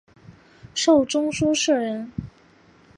授中书舍人。